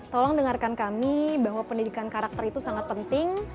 tolong dengarkan kami bahwa pendidikan karakter itu sangat penting